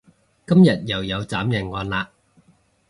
今日又有斬人案喇